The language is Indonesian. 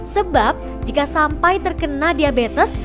sebab jika sampai terkena diabetes